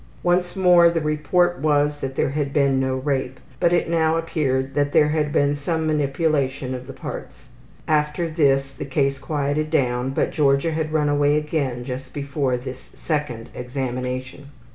Once more the report was that there had been no rape, but it now appeared that there had been some manipulation of the parts. After this the case quieted down, but Georgia had run away again just before this second examination.